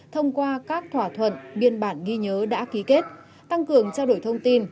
thông qua các thỏa thuận biên bản ghi nhớ đã ký kết tăng cường trao đổi thông tin